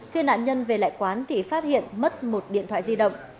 khi nạn nhân về lại quán thì phát hiện mất một điện thoại di động